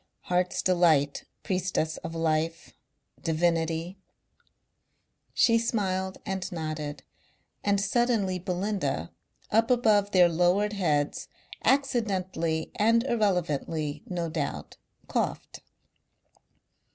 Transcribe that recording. "Heart's delight.... Priestess of life.... Divinity." She smiled and nodded and suddenly Belinda, up above their lowered heads, accidentally and irrelevantly, no doubt, coughed.